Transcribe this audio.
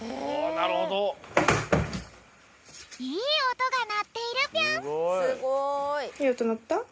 いいおとがなっているぴょん。